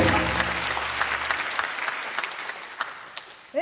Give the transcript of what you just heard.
え